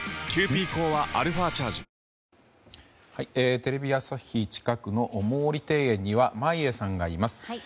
テレビ朝日近くの毛利庭園には眞家さんがいます。